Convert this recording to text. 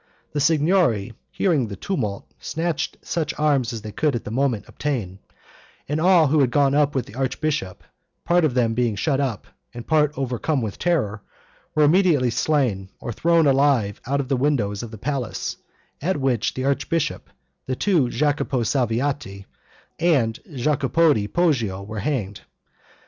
The Signory hearing the tumult, snatched such arms as they could at the moment obtain, and all who had gone up with the archbishop, part of them being shut up, and part overcome with terror, were immediately slain or thrown alive out of the windows of the palace, at which the archbishop, the two Jacopi Salviati, and Jacopodi Poggio were hanged.